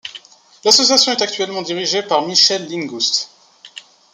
L'association est actuellement dirigée par Michelle Linn-Gust.